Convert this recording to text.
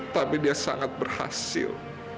tapi dia sangat berhasil